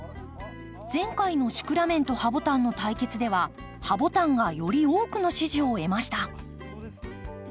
前回のシクラメンとハボタンの対決ではハボタンがより多くの支持を得ました。